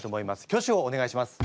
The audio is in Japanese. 挙手をお願いします。